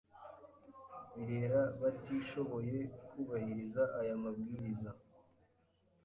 birera batishoboye kubahiriza aya mabwiriza